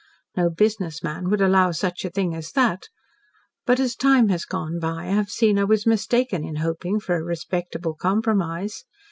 No business man would allow such a thing as that. But as time has gone by I have seen I was mistaken in hoping for a respectable compromise.